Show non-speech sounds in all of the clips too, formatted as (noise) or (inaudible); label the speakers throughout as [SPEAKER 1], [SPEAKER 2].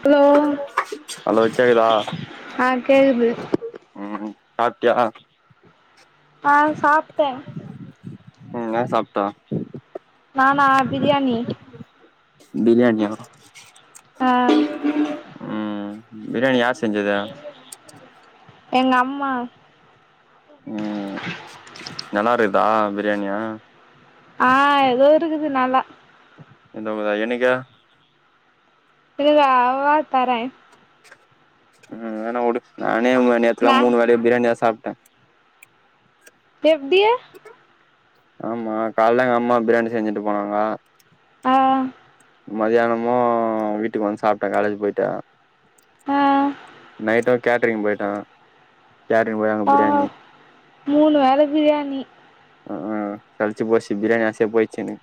[SPEAKER 1] hello
[SPEAKER 2] hello கேக்குதா
[SPEAKER 1] ஆ கேக்குது
[SPEAKER 2] ம் சாப்டியா
[SPEAKER 1] ஆ சாப்ட்டே
[SPEAKER 2] ம் என்ன சாப்ட
[SPEAKER 1] நானா பிரியாணி
[SPEAKER 2] பிரியாணியா
[SPEAKER 1] ஆ
[SPEAKER 2] ம் பிரியாணி யார் சம செஞ்சது
[SPEAKER 1] எங்க அம்மா
[SPEAKER 2] ம் நல்லா இருக்குதா பிரியாணியு
[SPEAKER 1] ஆ எதோ இருக்குது நல்லா
[SPEAKER 2] இந்த மாரி என்னைக்கு
[SPEAKER 1] இல்ல இல்ல வா தரே
[SPEAKER 2] ம் வேணா வுடு நானே நேத்துலா
[SPEAKER 1] நா
[SPEAKER 2] மூணு வேலையு பிரியாணி தா சாப்ட
[SPEAKER 1] எப்டி
[SPEAKER 2] ஆமா காலைல எங்க அம்மா பிரியாணி செஞ்சுட்டு போனாங்க
[SPEAKER 1] ஆ
[SPEAKER 2] மத்தியானமு வீட்டுக்கு வந்து சாப்ட காலேஜ் போயிட்டு
[SPEAKER 1] ஆ
[SPEAKER 2] நைட்டு கேட்ரிங் போயிட்ட யார் இவ
[SPEAKER 1] ஆ மூணு வேல பிரியாணி
[SPEAKER 2] அ சலச்சி போச்சி பிரியாணி ஆசையே போயிச்சு எனக்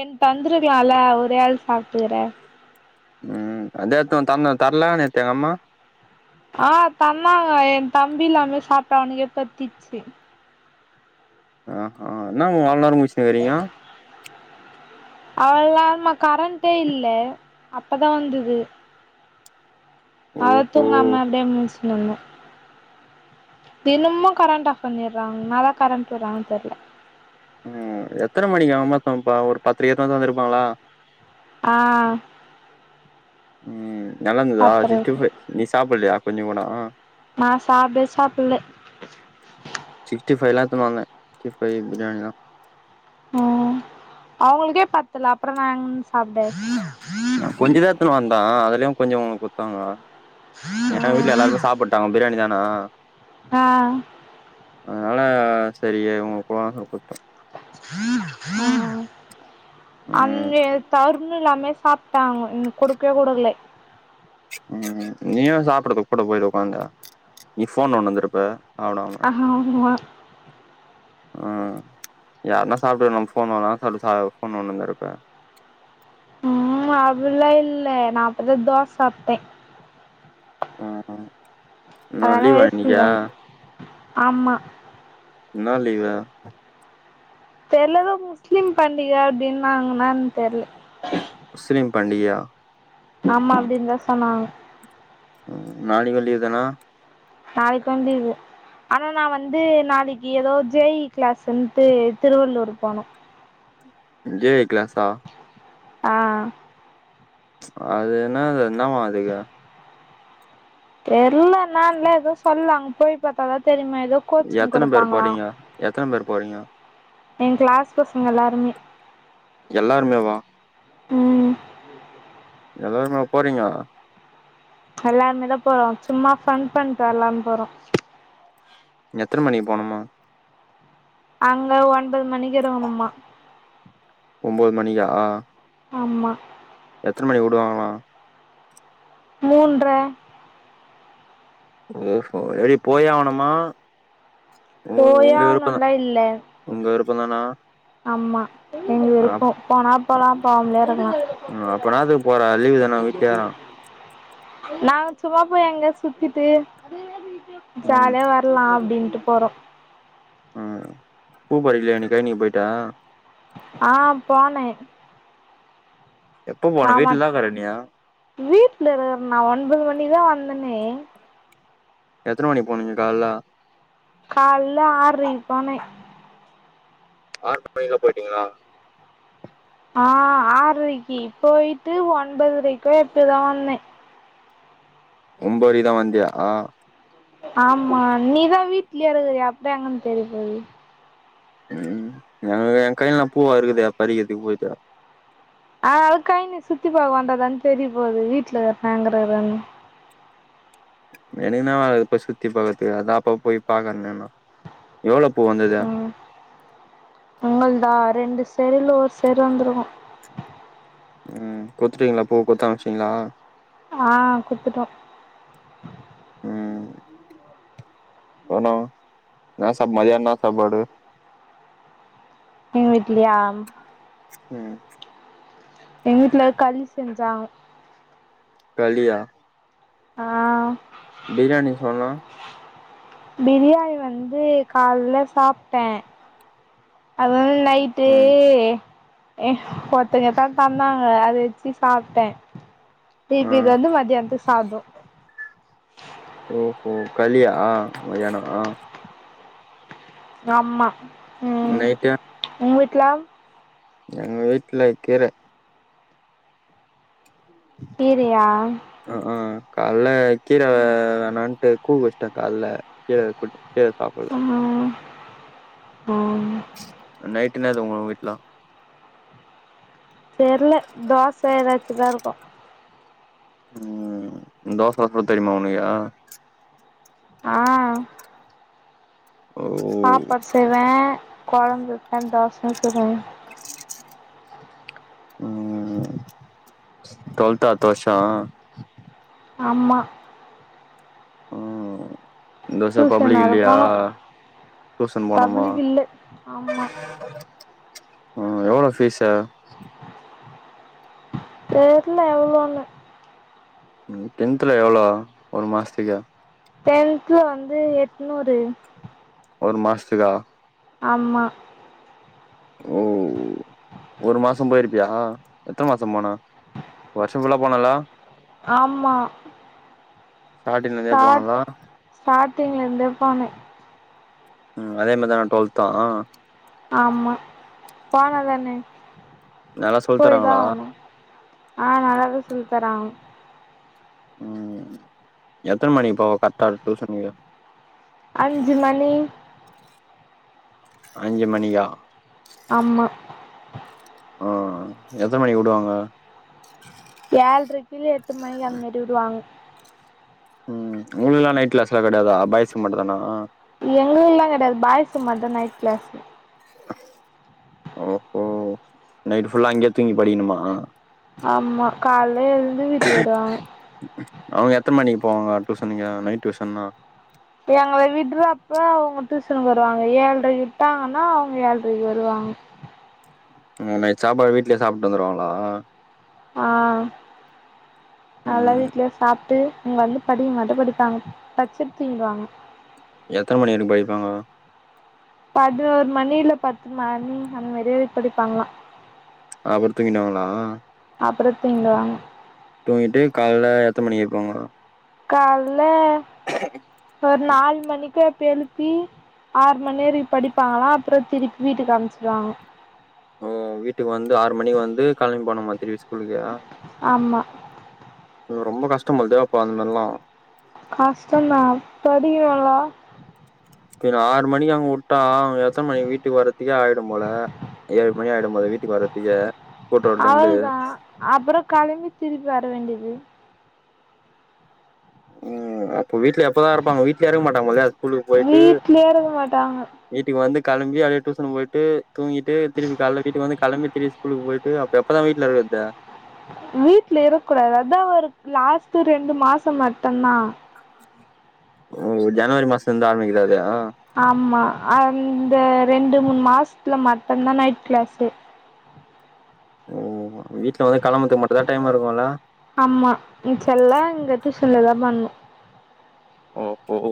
[SPEAKER 1] என் தந்துருக்குலால ஒரே ஆள் சாப்ட்டுக்குற
[SPEAKER 2] ம் எட்த்து வந் தர்ணு தர்லான் எட்த்தே எங் அம்மா
[SPEAKER 1] ஆ தந்தாங்க என் தம்பி இல்லாமே சாப்ட்டான் அவனுக்கே பத்திர்ச்சு
[SPEAKER 2] ஆ ஹா என்ன நீங்க அவுள்நேரோ முழ்ச்னிருக்குறீங்க
[SPEAKER 1] அவள்நேர்மா கரண்ட்டே இல்ல அப்பதா வந்தது அதா
[SPEAKER 2] ஓஹோ
[SPEAKER 1] தூங்கம அப்டியே முழ்ச்னிருக்குற தினமு கரண்ட் ஆஃப் பண்ணிர்றாங் என்னதா கரண்ட் விட்றாங்கன் தெரில
[SPEAKER 2] ம் எத்தன மணிக்கு அமத்தாங்ப்பா ஒரு பத்துரு ஏத்துன் வந்து வந்துருப்பாங்ளா
[SPEAKER 1] ஆ
[SPEAKER 2] ம் நல்லா இருந்துதா
[SPEAKER 1] பத்தர
[SPEAKER 2] சிக்ஸ்டி
[SPEAKER 1] இருக்கு
[SPEAKER 2] ஃப நீ சாப்புலயா கொஞ்ச கூடோ
[SPEAKER 1] நான் சாப்டே சாப்பிலல
[SPEAKER 2] சிகஸ்டி ஃபைலா எத்துன் வந்த சிஸ்ட் ஃபை பிரியாணிலா
[SPEAKER 1] அவுங்குளுக்கே பத்துல அப்புறோ நா எங் சாப்ட
[SPEAKER 2] நா கொஞ்சுதா எத்துன் வந்தா அதுலியு கொஞ்சோ ஒனக் குட்த்தாங்ளா ஏன் வீட்ல
[SPEAKER 1] ம்
[SPEAKER 2] எல்லார்மே சாப்புட்டு பிரியாணிதானா
[SPEAKER 1] ஆ
[SPEAKER 2] அதுனால சேரி இவ்ங்குளுக்குலா குட்த்த
[SPEAKER 1] ஆமா
[SPEAKER 2] ம்
[SPEAKER 1] அந்த தருண் எல்லாமே சாப்ட்டாங்க என்க் குடுக்க கூடலே
[SPEAKER 2] ம் நீயு சாப்புடுனு கூட போய் உக்காந்து நீ ஃபோன் நோண்ணுந்துருப்ப சாப்டாம
[SPEAKER 1] அது உண்ம
[SPEAKER 2] (inaudible) ஆ யார்னா சாப்டு நா ஃபோன் நோன்னா சொல்ட்டு சா ஃபோன் நோனுன்ந்திருப்ப
[SPEAKER 1] மா அதுல்லா இல்ல நா அப்புறு தோஸ் சாப்ட்டே
[SPEAKER 2] ம் ஓ
[SPEAKER 1] அதனால
[SPEAKER 2] லீவா
[SPEAKER 1] வயிறு ஃபுல்
[SPEAKER 2] இன்னிக்கா
[SPEAKER 1] ஆகு ஆமா
[SPEAKER 2] என்ன லீவு
[SPEAKER 1] தெர்ல எதோ முஸ்லீம் பண்டிக அப்டின்னாங்க என்னன் தெர்ல
[SPEAKER 2] முஸுலீம் பண்டிகியா
[SPEAKER 1] ஆமா அப்டின்தா சொன்னாங்க
[SPEAKER 2] ம் நாளிக்கு லீவ்தானா
[SPEAKER 1] நாளைக் வந்து இது ஆனா நா வந்து நாளைக்கு எதோ ஜே இ கிளாஸ்ன்ட்டு திருவள்ளூரு போனு
[SPEAKER 2] ஜே இ கிளாஸா
[SPEAKER 1] ஆ
[SPEAKER 2] அது என்னாது என்னாவா அதுக்கு
[SPEAKER 1] தெர்ல மேம்தா எதோ சொன்னாங் போய் பாத்தாதா தெரிமே எதோ
[SPEAKER 2] எத்தன பேர் போறீங்க எத்தன பேர் போறீங்க
[SPEAKER 1] என் கிளாஸ் பசங்க எல்லாருமே
[SPEAKER 2] எல்லாருமேவா
[SPEAKER 1] ம்
[SPEAKER 2] எல்லாருமா போறீங்க
[SPEAKER 1] எல்லாருமே தா போறோ சும்மா ஃபண் பண்ட்டு வர்லான் போறோ
[SPEAKER 2] எத்தன மணிக்கு போணுமா
[SPEAKER 1] அங்க ஒன்பது மணிக்கு இருக்குணுமா
[SPEAKER 2] ஒம்போது மணிக்கா
[SPEAKER 1] ஆமா
[SPEAKER 2] எத்தன மணிக் உடுவாங்ளா
[SPEAKER 1] மூன்ற
[SPEAKER 2] ஓஹொ எடி போயெ ஆவ்னுமா
[SPEAKER 1] போயே ஆவ்னுல்லா இல்ல
[SPEAKER 2] உங்க விருப்பதானா
[SPEAKER 1] ஆமா எங்க விருப்போ போனா போலா போம்லே இருக்கலா
[SPEAKER 2] ஆ அப்ப என்னாதுக்கு போற லீவு தான வீ்ட்லயாரா
[SPEAKER 1] நா சும்மா போய் அங்க சுத்திட்டு
[SPEAKER 2] ம்
[SPEAKER 1] ஜாலியா வ லா அப்டின்ட்டு போறோ
[SPEAKER 2] அ பூ பறிக்கலியா நீ கய்னீக் போய்ட்டா
[SPEAKER 1] ஆ போனே
[SPEAKER 2] எப்போ போன
[SPEAKER 1] மாமா
[SPEAKER 2] வீட்ல தா இக்கர நீ
[SPEAKER 1] வீட்ல இருக்கறனா ஒன்பது மணிதா வந்தேனே
[SPEAKER 2] எத்தன மணிக் போனிங்க கால்ல
[SPEAKER 1] கால்ல ஆற்றைக் போனே
[SPEAKER 2] ஆறு மணிக்ல போயிட்டீங்ளா
[SPEAKER 1] ஆ ஆற்ரைக்கி போயிட்டு ஒன்பதுரைக்கோ எப்பதா வந்தே
[SPEAKER 2] ஒம்பரைக்கு தா வந்தியா
[SPEAKER 1] ஆமா நீதா வீட்லயே இருக்கரயே அப்புற எங்கன் தெரிய போது
[SPEAKER 2] ம் எங்க எங் கைல எல்லா பூவா இருக்குது பறிக்கிறதுக்கு போயிட்ட
[SPEAKER 1] ஆ அக்கய நீ சுத்தி பாக்க வந்ததான் தெரிய போகுது வீட்டுல இருங்கறன் எங்க போய் (unintelligible)
[SPEAKER 2] எனக்கு என்னா இப்ப சுத்தி பாக்கற்துக்கு அதா அப்பப்போய் பாக்கறறன்னா எவ்வளோ பூ வந்தது
[SPEAKER 1] ம் உங்கள்தா ரெண்டு செடில ஒரு செடி வந்திருக்கு
[SPEAKER 2] ம் கொத்துட்டீங்களா பூ கொத்து அம்ச்சீடீங்களா
[SPEAKER 1] ஆ குடுத்துட்டோ
[SPEAKER 2] ம் வானா என்ன சாப் மதிய என்ன சாப்பாடு
[SPEAKER 1] எங் வீட்லயா
[SPEAKER 2] ம்
[SPEAKER 1] எ வீட்டுல களி செஞ்சாங்க
[SPEAKER 2] களியா
[SPEAKER 1] ஆ
[SPEAKER 2] பிரியாணி சொன்ன
[SPEAKER 1] பிரியாணி வந்து கால்ல சாப்ட்டே அது நைட்டு
[SPEAKER 2] ம்
[SPEAKER 1] ஏ ஒருத்துங்க தா தந்தாங்க அத வச்சு சாப்ட்டே
[SPEAKER 2] ஆ
[SPEAKER 1] திருப்பி இத வந்து மதியான்த்துக்கு சாதோ
[SPEAKER 2] ஓஹோ களியா மதியானோ
[SPEAKER 1] ஆமா ம்
[SPEAKER 2] நைட்டு
[SPEAKER 1] உங்க வீட்டு்ல
[SPEAKER 2] எங்க வீட்ல கீர
[SPEAKER 1] கீரையா
[SPEAKER 2] ஆ ஆ காலைல கீர வேணான்ட்டு கூ வச்ட்டே கால்ல கீர போட்டு
[SPEAKER 1] ம் ம்
[SPEAKER 2] நைட்டு என்னாது உங்க வீட்லா
[SPEAKER 1] தெர்ல தோச எதாச்சு தா இருக்கு
[SPEAKER 2] ம் தோச ஊத்த தெரிம்மா உனக்கு
[SPEAKER 1] ஆ
[SPEAKER 2] ஓ
[SPEAKER 1] சாப்பாடு செய்வே கொழம்பு வப்பே தோசயு சுடுவே
[SPEAKER 2] ம் டுவல்த்தா அடுத்த வர்ஷோ
[SPEAKER 1] ஆமா
[SPEAKER 2] ம் இந்த வர்ஷ
[SPEAKER 1] டியூஷன்
[SPEAKER 2] பப்ளிக்
[SPEAKER 1] வேற
[SPEAKER 2] இல்லயா
[SPEAKER 1] போனு
[SPEAKER 2] டூஷன் போணுமா
[SPEAKER 1] பப்ளிக் இல்ல ஆமா
[SPEAKER 2] ம் எவ்வளோ ஃபீஸ்ஸு
[SPEAKER 1] தெர்ல எவ்ளோனு
[SPEAKER 2] டென்த்துல எவ்ளோ ஒரு மாசத்துக்கு
[SPEAKER 1] டென்த்துல வந்து எட்நூறு
[SPEAKER 2] ஒரு மாசத்துக்கா
[SPEAKER 1] ஆமா
[SPEAKER 2] ஓ ஒரு மாசம் போயிருப்பியா எத்தன மாசம் போனா வர்ஷம் ஃபுல்லா போனல
[SPEAKER 1] ஆமா
[SPEAKER 2] ஸ்டாட்டிங்ல இருந்தே போனல
[SPEAKER 1] ஸ்டாட்டிங்ல இருந்தே போனே
[SPEAKER 2] ம் அதே மாரிதானா டுவல்த்து
[SPEAKER 1] ஆமா போனாதான
[SPEAKER 2] நல்லா சொல்லி
[SPEAKER 1] போய் தா
[SPEAKER 2] தராங்களா
[SPEAKER 1] ஆகனு ஆ நல்லாதா சொல்லி தராங்க
[SPEAKER 2] ம் எத்தன மணிக்கு போவ கரட்டா டூசனுக்கு
[SPEAKER 1] அஞ்சு மணி
[SPEAKER 2] அஞ்சு மணியா
[SPEAKER 1] ஆமா
[SPEAKER 2] ஆ எத்தன மணிக்கு உடுவாங்க
[SPEAKER 1] ஏழ்ரைக்கி எட்டு மணி அந்த மாரி விடுவாங்
[SPEAKER 2] ம் உங்களுகல்லா நைட் கிளாஸ்லா கெடையாதா பாய்ஸ்க்கு மட்டுதானா
[SPEAKER 1] எங்களுக்கல்லா கெடையாது பாய்ஸு மட்டு நைட் கிளாஸ்
[SPEAKER 2] ஓஹோ நைட்டு ஃபுல்லா அங்கயே தூங்கி படிக்கனுமா
[SPEAKER 1] ஆமா காலேல எழுந்து வீட்டுக்கு வருவாங்க
[SPEAKER 2] அவுங்க எத்தன மணிக்கு போவாங்க டூசனுக்கு நைட் டூஷன்னா
[SPEAKER 1] எங்கள விட்றப்ப அவுங்க டூசனுக்கு வருவாங்க ஏழ்ரக்கி விட்டாங்கன்னா அவுங்க ஏழ்ரக்கி வருவாங்க
[SPEAKER 2] அங்க நைட் சாப்பாடு வீட்லய சாப்ட்டு வந்துருவாங்களா
[SPEAKER 1] ஆ அதலா
[SPEAKER 2] ம்
[SPEAKER 1] வீட்லயே சாப்ட்டு இங்க வந்து படிக்க மட்டு படிப்பாங்க படுச்சுட்டு தூங்கிற்வாங்க
[SPEAKER 2] எத்தன மணி வரைக்கு படிப்பாங்க
[SPEAKER 1] பதினோரு மணி இல்ல பத்து மணி அந்த மாரியா படிப்பாங்கலா
[SPEAKER 2] அது படுத் தூங்கிட்டாங்களா
[SPEAKER 1] அப்பற தூங்கிடுவாங்க
[SPEAKER 2] தூங்கிட்டு காலேல எத்தன மணிக்கு எழுப்புவாங்க
[SPEAKER 1] காலேல ஒரு நாலு மணிக்கோ எப்பயோ எழுப் பி ஆறு மணி வரைக்கு படிப்பாங்களா அப்பறோ திருப்பி வீட்டுக்கு அனுப்ச்சுடுவாங்க
[SPEAKER 2] ஓ வீட்டுக்கு வந்து ஆறு மணிக்கு வந்து கெழம்பி போனுமா திருப்பி ஸ் குளுதியா
[SPEAKER 1] ஆமா
[SPEAKER 2] ரொம்போ கஷ்டோ போல்தே இப்போ அந்த மேரிலா
[SPEAKER 1] கஷ்டோந்தா படியோல
[SPEAKER 2] பின்ன ஆறு மணிக்கு அங்க உட்டா அங்க எத்தன மணிக்கு வீட்டுக்கு வரத்துக்கே ஆயிடும்போல ஏழு மணி ஆயிடோ போல வீட்டுக்கு வர்றத்துகே
[SPEAKER 1] அவளதா அப்புறோ கெளம்பி திருப்பி வர வேண்டியது
[SPEAKER 2] ம் அப்ப வீட்ல எப்பதா இருப்பாங்க வீட்லயே இருக்க மாட்டாங்க போல்தே ஸ்கூலுக்கு போயிட்டு
[SPEAKER 1] வீட்லயே இருக்க மாட்டாங்க
[SPEAKER 2] வீட்டுக்கு வந்து களம்பி அப்டியே டியூன் போயிட்டு தூங்கிட்டு திருப்பி கால வீட்டு வந்து களம்பி திருபி ஸ்கூலுக்கு போயிட்டு அப்ப எப்பதா வீட்ல இருக்கறது
[SPEAKER 1] வீட்ல இருக்கூடாது அதா ஒரு லாஸ்ட்டு ரெண்டு மாசோ மட்டுந்தா
[SPEAKER 2] ஓ ஜனவரி மாசோ இருந்து ஆரம்பிக்கிறாறு
[SPEAKER 1] ஆமா அந்த ரெண்டு மூணு மாசத்துல மட்டுந்தா நைட் கிளாஸு
[SPEAKER 2] ஓ வீட்ல வந்து களம்பறத்துக்கு மட்டுந்தா டைம் இருக்கோல
[SPEAKER 1] ஆமா மிச்செல்லா இங்க டியூஷன்லதா பண்ணோ
[SPEAKER 2] ஓஹோ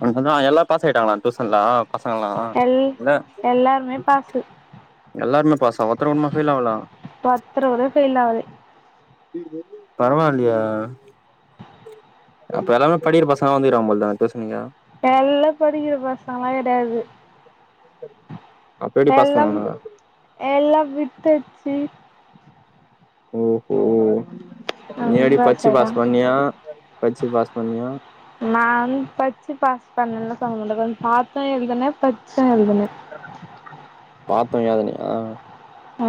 [SPEAKER 2] உனக்கென்னா எல்லா பாசாயிட்டாங்களா டூசன்ல பசங்கள்லா
[SPEAKER 1] எல்
[SPEAKER 2] இத
[SPEAKER 1] எல்லாருமே பாசு
[SPEAKER 2] எல்லாருமே பாசா ஒருத்தருக்கூடமா ஃபெயில் ஆவல
[SPEAKER 1] ஒத்தருகூட ஃபெயில் ஆவலே
[SPEAKER 2] பரவால்லயே அப்ப எல்லாமே படிக்கிற பசங்கதா வந்துருக்காங்க போல்தே அந்த ட்யூஸனுக்கே
[SPEAKER 1] எல்லா படிக்கிற பசங்களலா கெடையாது
[SPEAKER 2] (inaudible) பாஸ்
[SPEAKER 1] எல்லாம்
[SPEAKER 2] பண்ணுவானுங்க
[SPEAKER 1] எல்லாம் வித்துட்ச்சு
[SPEAKER 2] ஓஹோ நீ
[SPEAKER 1] அவங்க
[SPEAKER 2] எப்டி பச்சி பாஸ்
[SPEAKER 1] ஆயிட்டாங்க
[SPEAKER 2] பண்ணியா பச்சி பாஸ் பண்ணியா
[SPEAKER 1] நா வந்து பச்சி பாஸ் பன்னனு சொல்ல மாட்டே கொஞ்சோ பாத்தோ எழுதுனே பச்சு எழுதுனே
[SPEAKER 2] பாத்து எழுதினியா
[SPEAKER 1] ஆ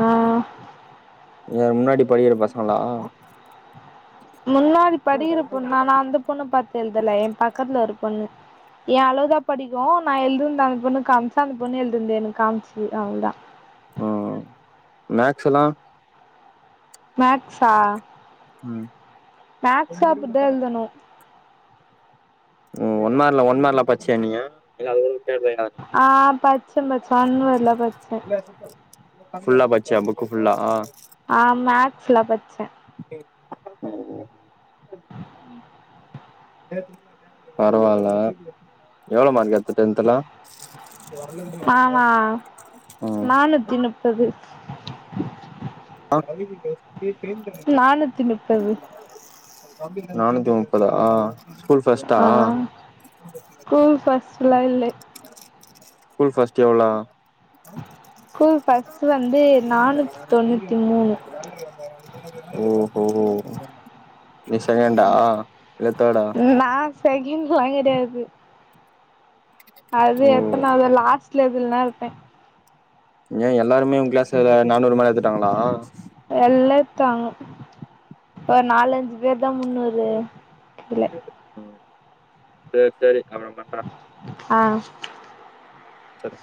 [SPEAKER 2] ஊ முன்னாடி படிக்குற பசங்களா
[SPEAKER 1] முன்னாடி படிக்குற பொண்ணு நா நா அந்த பொண்ணு பாத்தெழுதல எ பக்கத்துல ஒரு பொண்ணு எ அளவுதா படிக்கோ நா எழுதன்ந்த அந்த பொண்ணு காம்ச்ச அந்த பொண்ணு எழுதுந்தே எனக்கு காமிச்சு அவ்ளோதா
[SPEAKER 2] ம் மேக்ஸுலா
[SPEAKER 1] மேக்ஸா
[SPEAKER 2] ம்
[SPEAKER 1] மேக்ஸோ அப்டிதா எழுதணோ
[SPEAKER 2] ம் ஒன் மார்க்ல ஒன் மார்க்ல பச்சியா நீயு இல்ல அதயோ கேட்டு எழுதுனுயா நீ
[SPEAKER 1] ஆ பச்ச பச்ச ஒண் வேர்ட்ல பச்ச
[SPEAKER 2] (unintelligible) ஃபுல்லா பச்சியா புக்கு ஃபுல்லா
[SPEAKER 1] ஆ மேக்ஸ்லா பச்சே
[SPEAKER 2] ம் ஹு பரவால்ல எவ்ளோ மார்க் எடுத்த டென்துல
[SPEAKER 1] நானா
[SPEAKER 2] ம்
[SPEAKER 1] (unintelligible) (unintelligible)
[SPEAKER 2] (unintelligible) அப்டீயே திரும்பிக்றே
[SPEAKER 1] நானூத்தி முப்பது
[SPEAKER 2] நானூத்தி முப்பதா ஆ
[SPEAKER 1] ஆ ஸ்கூல் ஃபஸ்ட்லா இல்லே
[SPEAKER 2] ஃஸ்கூல் ஃபஸ்ட் எவ்ளோ
[SPEAKER 1] ஸ்கூல் ஃபஸ்ட்டு வந்து நானூத்தி தொண்ணூத்தி மூணு
[SPEAKER 2] (unintelligible) ஓஹோ நீ செகேண்டா இல்ல தேடா
[SPEAKER 1] நா செகேன்லா கெடயாது அது
[SPEAKER 2] ஓ
[SPEAKER 1] எத்தனாவது லாஸ்ட் லெதல்னா விட்டே
[SPEAKER 2] ஏ எல்லாருமே உங்க கிளாஸ் லா நானூறு மேல எடுத்துட்டாங்களா
[SPEAKER 1] எல்லா எடுத்தாங்க ஒரு நாலஞ்சு பேர்தா முன்னூறு அது கீழ
[SPEAKER 2] ம் சேரி சேரி அப்றோ பண்றே
[SPEAKER 1] ஆ
[SPEAKER 2] சர்